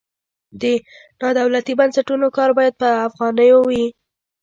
د نادولتي بنسټونو کار باید په افغانیو وي.